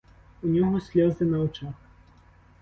У нього сльози на очах.